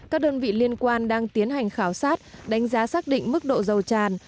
các đơn vị liên quan đang tiến hành khảo sát đánh giá xác định mức độ dầu tràn